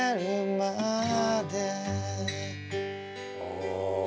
お。